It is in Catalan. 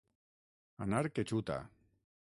Anar que xuta.